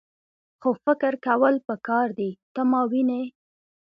خو فکر کول پکار دي . ته ماوینې؟